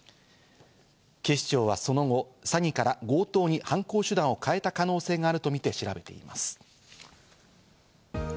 警視庁はその後、詐欺から強盗に犯行手段を変えた可能性もあるとみて調べています。